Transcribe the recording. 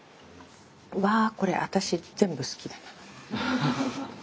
うわこれ私全部好きだ。